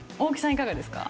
いかがですか？